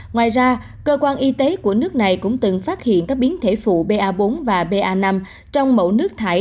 ngoài ra cơ quan y tế của nước này cũng từng phát hiện các biến thể phụ ba bốn và ba năm trong mẫu nước thải